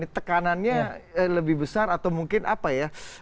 tekanannya lebih besar atau mungkin apa ya